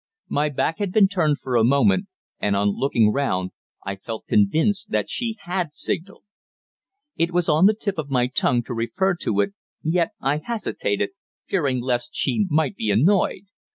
My back had been turned for a moment, and on looking round I felt convinced that she had signalled. It was on the tip of my tongue to refer to it, yet I hesitated, fearing lest she might be annoyed.